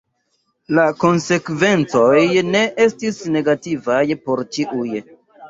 La konsekvencoj ne estis negativaj por ĉiuj.